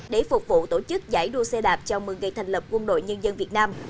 để phục vụ tổ chức giải đua xe đạp chào mừng ngày thành lập quân đội nhân dân việt nam